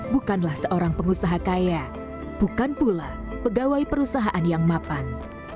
bukanlah seorang pengusaha kaya bukan pula pegawai perusahaan yang mapan